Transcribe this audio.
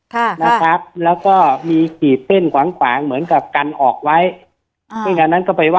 ค่ะนะครับมีกี่เต้นหคหวางเหมือนกับกันออกไว้